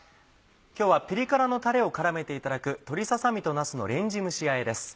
今日はピリ辛のタレを絡めていただく「鶏ささ身となすのレンジ蒸しあえ」です。